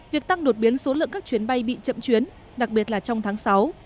việc tăng đột biến số lượng các chuyến bay bị chậm chuyến đặc biệt là trong tháng sáu